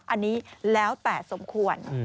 อันนี้แล้วแต่สมควร